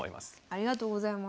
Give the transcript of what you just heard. ありがとうございます。